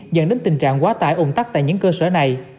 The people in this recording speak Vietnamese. dẫn đến tình trạng quá tải ủng tắc tại những cơ sở này